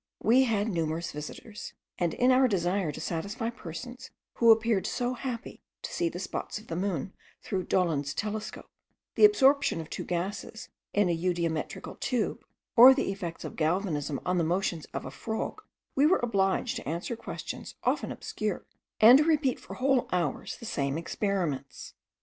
We had numerous visitors; and in our desire to satisfy persons who appeared so happy to see the spots of the moon through Dollond's telescope, the absorption of two gases in a eudiometrical tube, or the effects of galvanism on the motions of a frog, we were obliged to answer questions often obscure, and to repeat for whole hours the same experiments.